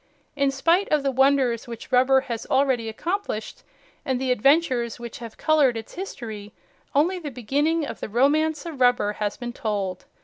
In spite of the wonders which rubber has already accomplished, and the adventures, which have colored its history, only the beginning of the romance of rubber has been told.